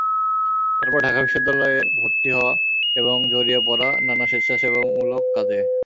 তারপর ঢাকা বিশ্ববিদ্যালয়ে ভর্তি হওয়া এবং জড়িয়ে পড়া নানা স্বেচ্ছাসেবামূলক কাজে।